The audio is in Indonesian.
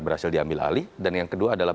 berhasil diambil alih dan yang kedua adalah